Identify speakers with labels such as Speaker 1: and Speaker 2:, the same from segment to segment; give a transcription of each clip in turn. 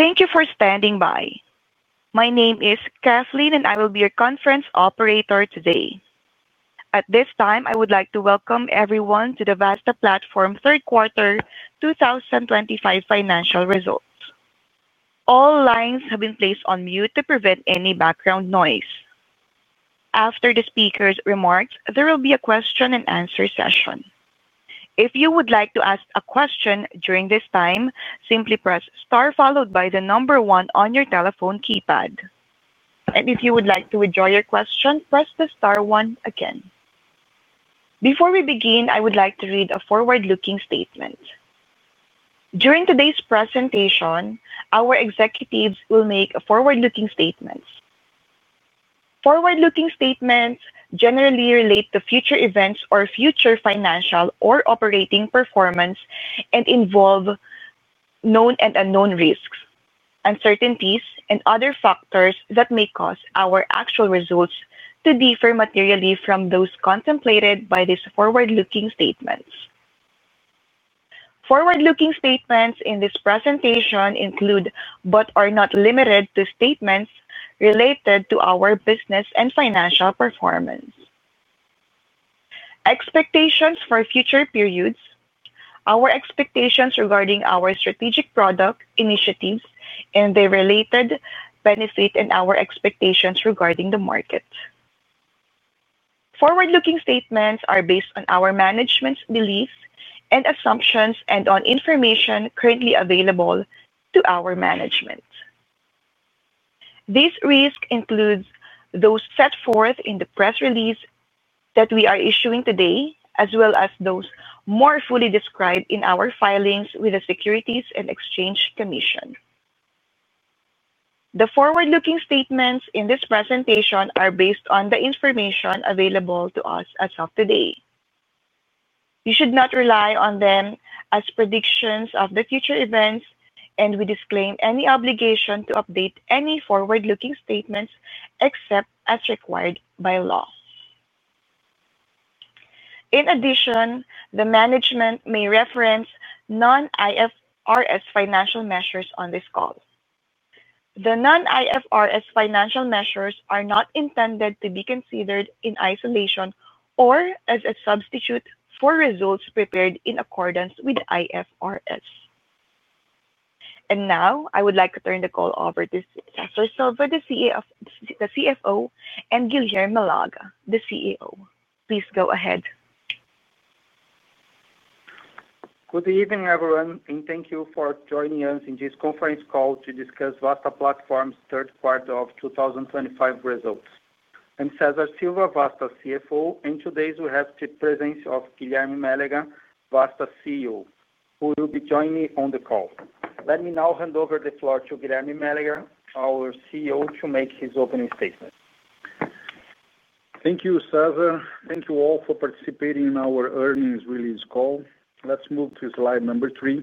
Speaker 1: Thank you for standing by. My name is Kathleen, and I will be your conference operator today. At this time, I would like to welcome everyone to the Vasta Platform Third Quarter 2025 financial results. All lines have been placed on mute to prevent any background noise. After the speakers' remarks, there will be a question-and-answer session. If you would like to ask a question during this time, simply press star followed by the number one on your telephone keypad. If you would like to withdraw your question, press the star one again. Before we begin, I would like to read a forward-looking statement. During today's presentation, our executives will make forward-looking statements. Forward-looking statements generally relate to future events or future financial or operating performance and involve. Known and unknown risks, uncertainties, and other factors that may cause our actual results to differ materially from those contemplated by these forward-looking statements. Forward-looking statements in this presentation include but are not limited to statements related to our business and financial performance. Expectations for future periods: our expectations regarding our strategic product initiatives and the related benefit and our expectations regarding the market. Forward-looking statements are based on our management's beliefs and assumptions and on information currently available to our management. These risks include those set forth in the press release that we are issuing today, as well as those more fully described in our filings with the Securities and Exchange Commission. The forward-looking statements in this presentation are based on the information available to us as of today. You should not rely on them as predictions of the future events, and we disclaim any obligation to update any forward-looking statements except as required by law. In addition, the management may reference non-IFRS financial measures on this call. The non-IFRS financial measures are not intended to be considered in isolation or as a substitute for results prepared in accordance with IFRS. I would like to turn the call over to Cesar Silva, the CFO, and Guilherme Mélega, the CEO. Please go ahead.
Speaker 2: Good evening, everyone, and thank you for joining us in this conference call to discuss Vasta Platform's third quarter 2025 results. I'm Cesar Silva, Vasta CFO, and today we have the presence of Guilherme Mélega, Vasta CEO, who will be joining on the call. Let me now hand over the floor to Guilherme Mélega, our CEO, to make his opening statement.
Speaker 3: Thank you, Cesar. Thank you all for participating in our earnings release call. Let's move to slide number three,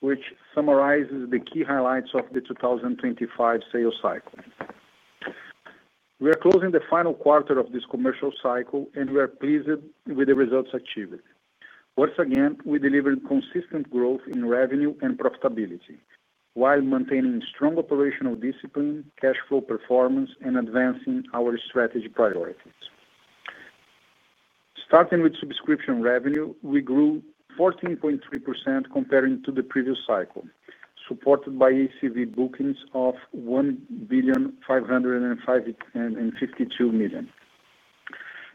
Speaker 3: which summarizes the key highlights of the 2025 sales cycle. We are closing the final quarter of this commercial cycle, and we are pleased with the results achieved. Once again, we delivered consistent growth in revenue and profitability while maintaining strong operational discipline, cash flow performance, and advancing our strategy priorities. Starting with subscription revenue, we grew 14.3% compared to the previous cycle, supported by ACV bookings of 1,552,000,000.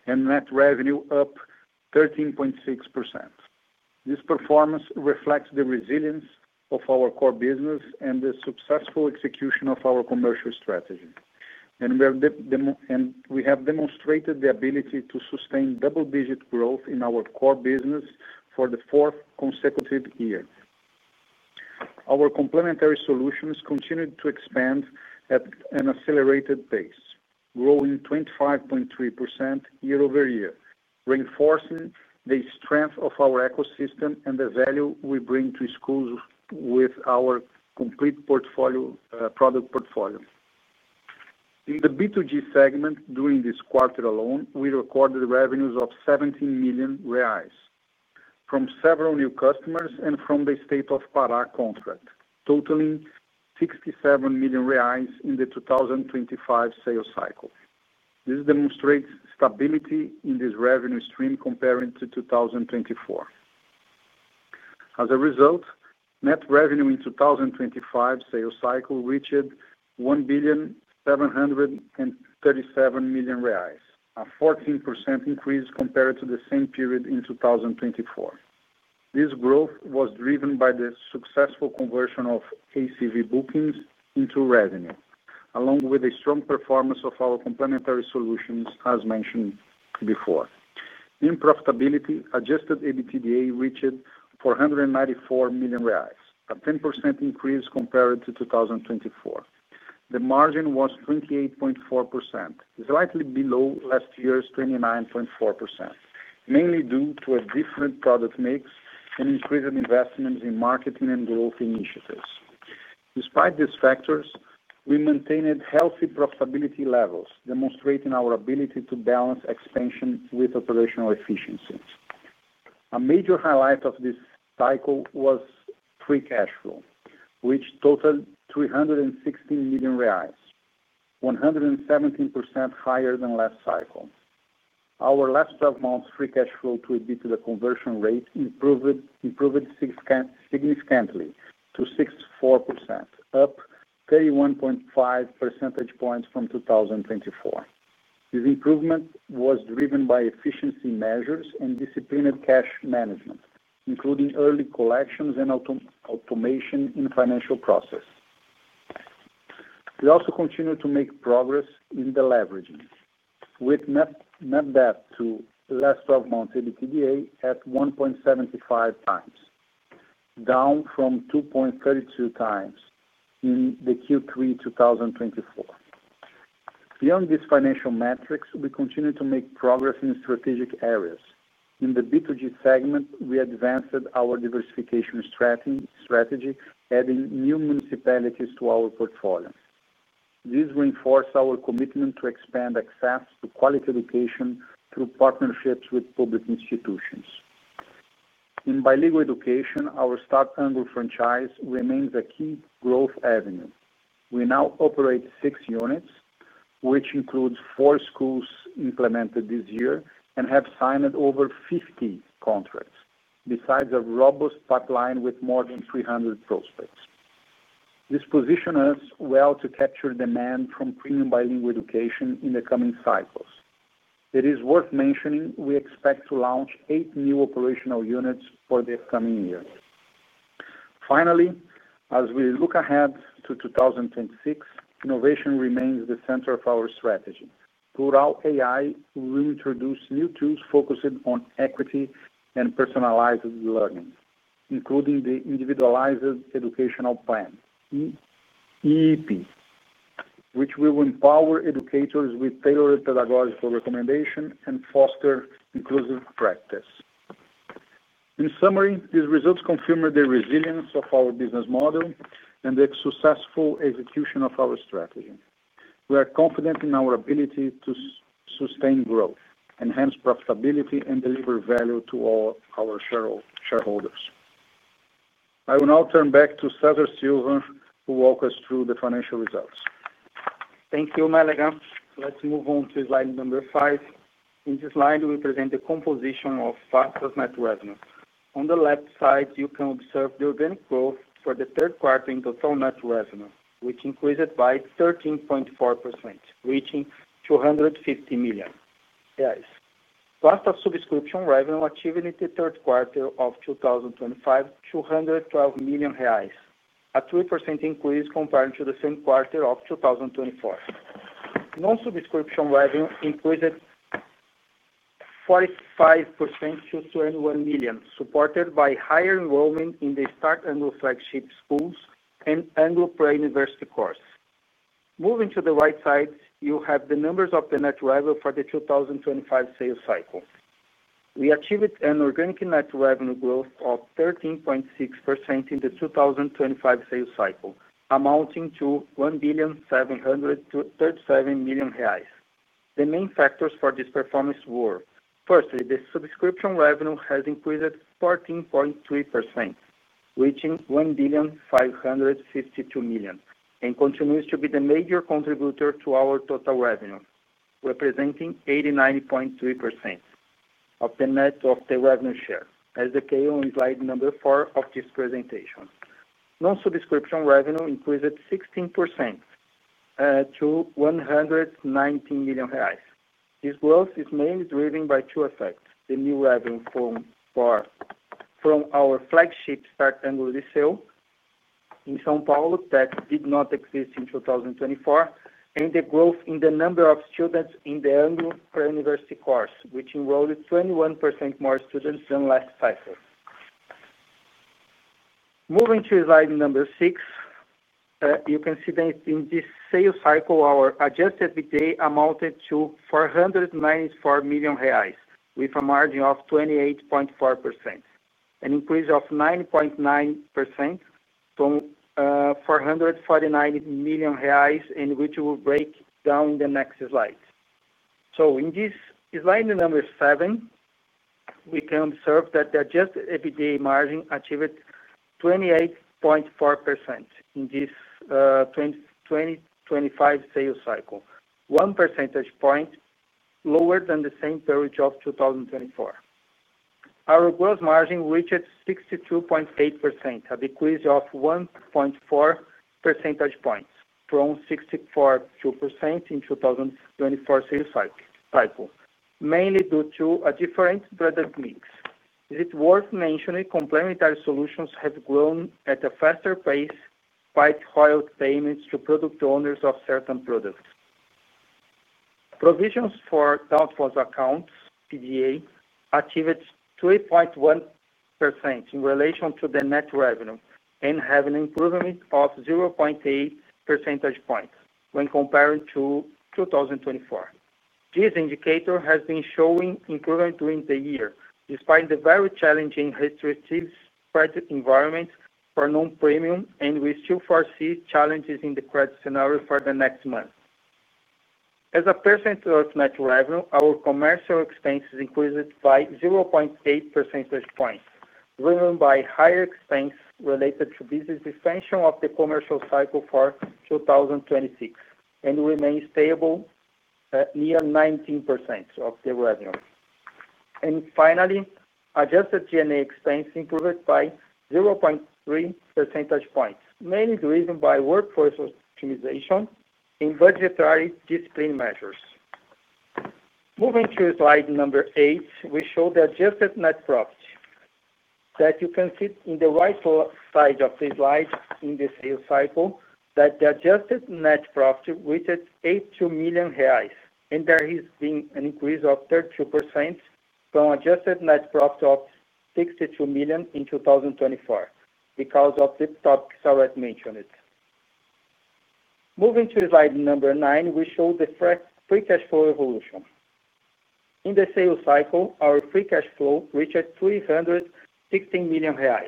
Speaker 3: Net revenue was up 13.6%. This performance reflects the resilience of our core business and the successful execution of our commercial strategy. We have demonstrated the ability to sustain double-digit growth in our core business for the fourth consecutive year. Our complementary solutions continue to expand at an accelerated pace, growing 25.3% year-over-year, reinforcing the strength of our ecosystem and the value we bring to schools with our complete product portfolio. In the B2G segment, during this quarter alone, we recorded revenues of 17 million reais from several new customers and from the State of Pará contract, totaling 67 million reais in the 2025 sales cycle. This demonstrates stability in this revenue stream compared to 2024. As a result, net revenue in the 2025 sales cycle reached 1,737,000,000 reais, a 14% increase compared to the same period in 2024. This growth was driven by the successful conversion of ECV bookings into revenue, along with the strong performance of our complementary solutions, as mentioned before. In profitability, adjusted EBITDA reached 494,000,000 reais, a 10% increase compared to 2024. The margin was 28.4%, slightly below last year's 29.4%, mainly due to a different product mix and increased investments in marketing and growth initiatives. Despite these factors, we maintained healthy profitability levels, demonstrating our ability to balance expansion with operational efficiency. A major highlight of this cycle was free cash flow, which totaled 316 million reais, 117% higher than last cycle. Our last 12 months' free cash flow to EBITDA conversion rate improved significantly to 64%, up 31.5 percentage points from 2024. This improvement was driven by efficiency measures and disciplined cash management, including early collections and automation in financial process. We also continue to make progress in the leverage, with net debt to last 12 months' EBITDA at 1.75x, down from 2.32x in Q3 2024. Beyond these financial metrics, we continue to make progress in strategic areas. In the B2G segment, we advanced our diversification strategy, adding new municipalities to our portfolio. This reinforced our commitment to expand access to quality education through partnerships with public institutions. In bilingual education, our Start Anglo franchise remains a key growth avenue. We now operate six units, which includes four schools implemented this year and have signed over 50 contracts, besides a robust pipeline with more than 300 prospects. This positions us well to capture demand from premium bilingual education in the coming cycles. It is worth mentioning we expect to launch eight new operational units for the upcoming year. Finally, as we look ahead to 2026, innovation remains the center of our strategy. Through RAU AI, we will introduce new tools focused on equity and personalized learning, including the Individualized Educational Plan, IEP, which will empower educators with tailored pedagogical recommendations and foster inclusive practice. In summary, these results confirm the resilience of our business model and the successful execution of our strategy. We are confident in our ability to sustain growth, enhance profitability, and deliver value to all our shareholders. I will now turn back to Cesar Silva, who will walk us through the financial results.
Speaker 2: Thank you, Mélega. Let's move on to Slide number five. In this slide, we present the composition of Vasta's net revenue. On the left side, you can observe the organic growth for the third quarter in total net revenue, which increased by 13.4%, reaching 250 million reais. Vasta's subscription revenue achieved in the third quarter of 2025 was 212 million reais, a 3% increase compared to the same quarter of 2024. Non-subscription revenue increased 45% to 21 million, supported by higher enrollment in the Start Anglo flagship schools and Anglo Prairie University course. Moving to the right side, you have the numbers of the net revenue for the 2025 sales cycle. We achieved an organic net revenue growth of 13.6% in the 2025 sales cycle, amounting to 1.737 billion. The main factors for this performance were: first, the subscription revenue has increased 14.3%. 1.552 billion and continues to be the major contributor to our total revenue, representing 89.3% of the net of the revenue share, as detailed in Slide number four of this presentation. Non-subscription revenue increased 16% to 119 million reais. This growth is mainly driven by two effects: the new revenue from our flagship Start Anglo ESL in São Paulo that did not exist in 2024, and the growth in the number of students in the Anglo Prairie University course, which enrolled 21% more students than last cycle. Moving to Slide number six, you can see that in this sales cycle, our adjusted EBITDA amounted to 494 million reais, with a margin of 28.4%, an increase of 9.9% to 449 million reais, which we will break down in the next slide. In this Slide number seven, we can observe that the adjusted EBITDA margin achieved 28.4% in this. 2025 sales cycle, one percentage point lower than the same period of 2024. Our gross margin reached 62.8%, a decrease of 1.4 percentage points from 64.2% in the 2024 sales cycle, mainly due to a different product mix. It is worth mentioning complementary solutions have grown at a faster pace by higher payments to product owners of certain products. Provisions for doubtful accounts (PDA) achieved 3.1% in relation to the net revenue and have an improvement of 0.8 percentage points when compared to 2024. This indicator has been showing improvement during the year, despite the very challenging restrictive credit environment for non-premium, and we still foresee challenges in the credit scenario for the next month. As a percentage of net revenue, our commercial expenses increased by 0.8 percentage points, driven by higher expenses related to business expansion of the commercial cycle for 2026, and remained stable. Near 19% of the revenue. Finally, adjusted G&A expenses improved by 0.3 percentage points, mainly driven by workforce optimization and budgetary discipline measures. Moving to Slide number eight, we show the adjusted net profit. You can see on the right side of the slide in the sales cycle that the adjusted net profit reached 82 million reais, and there has been an increase of 32% from adjusted net profit of 62 million in 2024 because of the topics I had mentioned. Moving to Slide number nine, we show the free cash flow evolution. In the sales cycle, our free cash flow reached 316 million reais,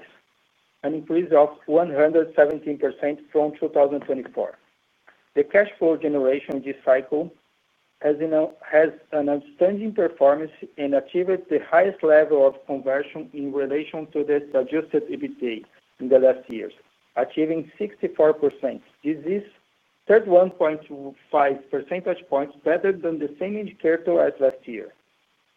Speaker 2: an increase of 117% from 2024. The cash flow generation in this cycle has an outstanding performance and achieved the highest level of conversion in relation to the adjusted EBITDA in the last years, achieving 64%. This is 31.5 percentage points better than the same indicator as last year.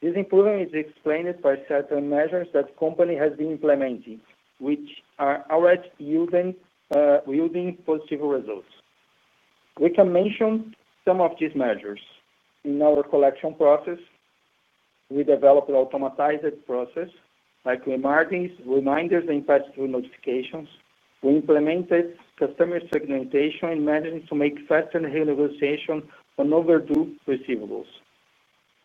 Speaker 2: This improvement is explained by certain measures that the company has been implementing, which are already yielding positive results. We can mention some of these measures in our collection process. We developed an automatized process, like reminders and pass-through notifications. We implemented customer segmentation and managed to make faster renegotiation on overdue receivables.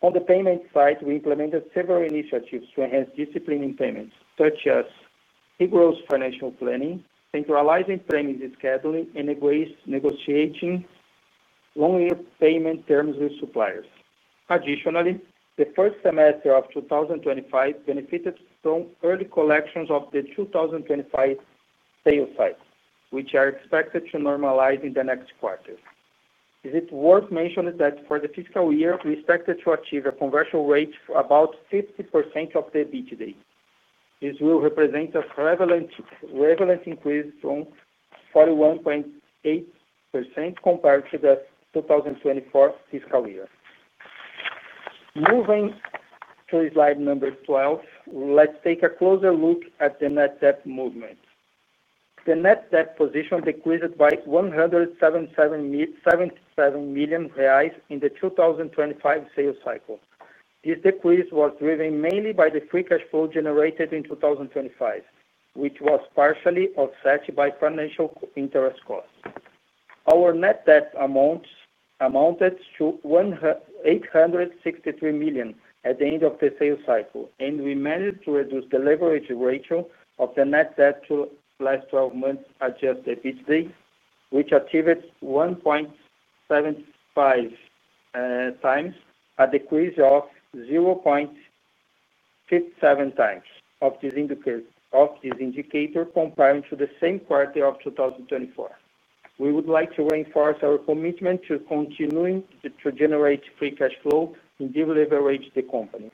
Speaker 2: On the payment side, we implemented several initiatives to enhance discipline in payments, such as eGross financial planning, centralizing premiums scheduling, and negotiating long-year payment terms with suppliers. Additionally, the first semester of 2025 benefited from early collections of the 2025 sales cycle, which are expected to normalize in the next quarter. It is worth mentioning that for the fiscal year, we expected to achieve a conversion rate of about 50% of the EBITDA. This will represent a prevalent. Increase from 41.8% compared to the 2024 fiscal year. Moving to Slide number 12, let's take a closer look at the net debt movement. The net debt position decreased by 177 million reais in the 2025 sales cycle. This decrease was driven mainly by the free cash flow generated in 2025, which was partially offset by financial interest costs. Our net debt amounted to 863 million at the end of the sales cycle, and we managed to reduce the leverage ratio of the net debt to last 12 months' adjusted EBITDA, which achieved 1.75x, a decrease of 0.57x of this indicator compared to the same quarter of 2024. We would like to reinforce our commitment to continuing to generate free cash flow and deleverage the company.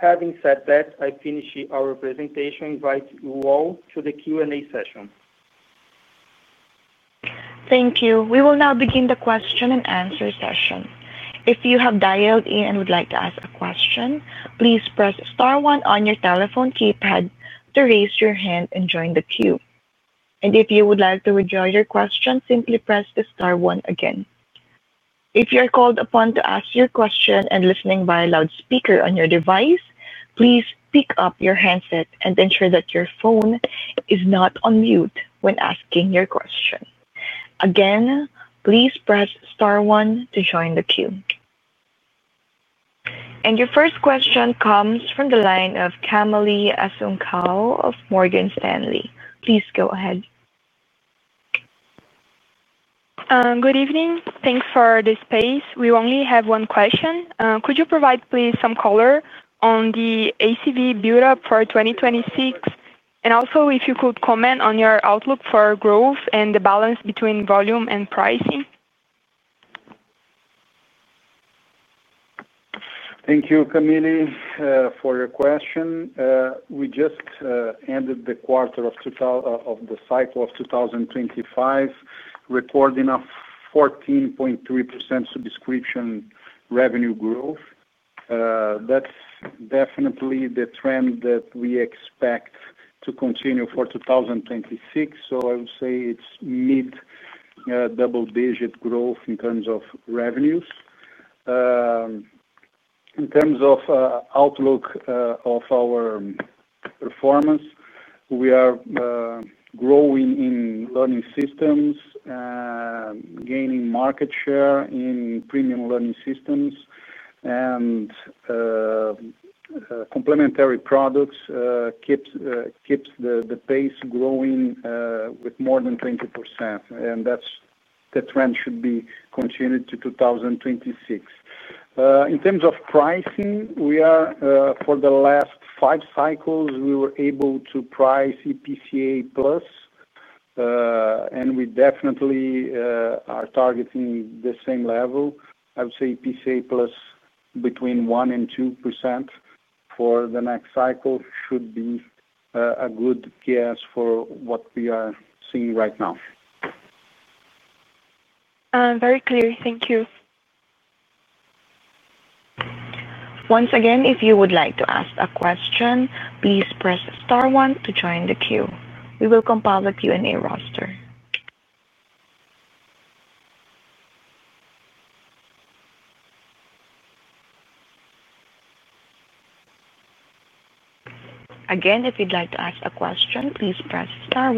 Speaker 2: Having said that, I finish our presentation and invite you all to the Q&A session.
Speaker 1: Thank you. We will now begin the question and answer session. If you have dialed in and would like to ask a question, please press star one on your telephone keypad to raise your hand and join the queue. If you would like to withdraw your question, simply press the star one again. If you are called upon to ask your question and listening via loudspeaker on your device, please pick up your handset and ensure that your phone is not on mute when asking your question. Again, please press star one to join the queue. Your first question comes from the line of Camille Asuncal of Morgan Stanley. Please go ahead.
Speaker 4: Good evening. Thanks for the space. We only have one question. Could you provide, please, some color on the ACV build-up for 2026? If you could comment on your outlook for growth and the balance between volume and pricing?
Speaker 2: Thank you, Camille, for your question. We just ended the quarter of the cycle of 2025, recording a 14.3% subscription revenue growth. That's definitely the trend that we expect to continue for 2026. I would say it's mid double-digit growth in terms of revenues. In terms of outlook of our performance, we are growing in learning systems, gaining market share in premium learning systems, and complementary products keep the pace growing with more than 20%. That's the trend that should be continued to 2026. In terms of pricing, for the last five cycles, we were able to price EPCA Plus, and we definitely are targeting the same level. I would say EPCA Plus between 1%–2% for the next cycle should be a good guess for what we are seeing right now.
Speaker 4: Very clear. Thank you.
Speaker 1: Once again, if you would like to ask a question, please press star one to join the queue. We will compile the Q&A roster. Again, if you'd like to ask a question, please press star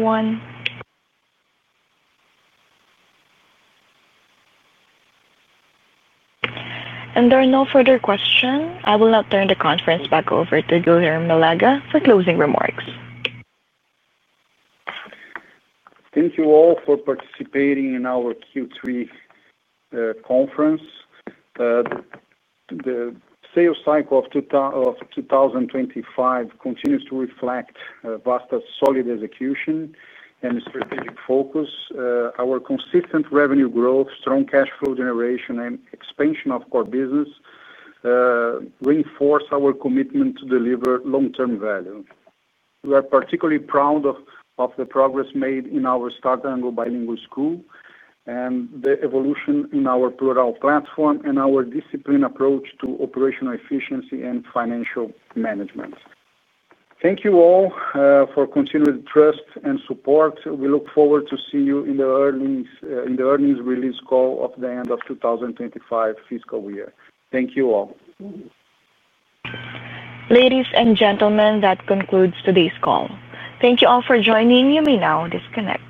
Speaker 1: one. There are no further questions. I will now turn the conference back over to Guilherme Mélega for closing remarks.
Speaker 3: Thank you all for participating in our Q3 conference. The sales cycle of 2025 continues to reflect Vasta's solid execution and strategic focus. Our consistent revenue growth, strong cash flow generation, and expansion of core business reinforce our commitment to deliver long-term value. We are particularly proud of the progress made in our Start Anglo bilingual school and the evolution in our Plurall platform and our disciplined approach to operational efficiency and financial management. Thank you all for continuing to trust and support. We look forward to seeing you in the earnings release call of the end of the 2025 fiscal year. Thank you all.
Speaker 1: Ladies and gentlemen, that concludes today's call. Thank you all for joining. You may now disconnect.